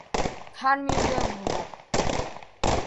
თანმიმდევრულად.